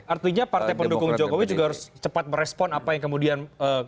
artinya pdip juga harus cepat merespon apa yang kemudian